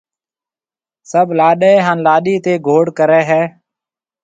سڀ لاڏَي ھان لاڏِي تيَ گھوڙ ڪرَي ھيََََ